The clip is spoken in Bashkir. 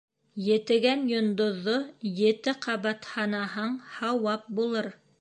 Етегән йондоҙҙо ете ҡабат һанаһаң, һауап булыр.